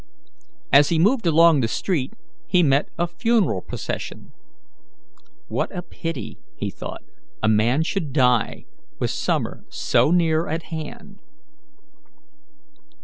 As he moved along the street he met a funeral procession. "What a pity," he thought, "a man should die, with summer so near at hand!"